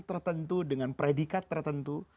tertentu dengan predikat tertentu